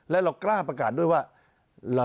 แล้วเรากล้าประกาศด้วยว่า